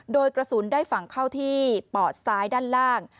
โดยกระสุนได้ฝั่งเข้าที่ปอดซ้ายด้านล่าง